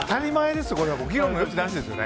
議論の余地なしですよ。